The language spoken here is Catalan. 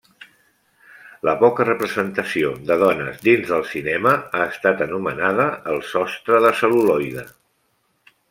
La poca representació de dones dins del cinema ha estat anomenada el sostre de cel·luloide.